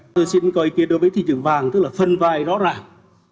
tôi xin có ý kiến đối với thị trường vàng tức là phân vai rõ ràng